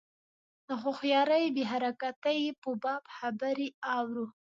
د هوښیاري بې حرکتۍ په باب خبرې اورو.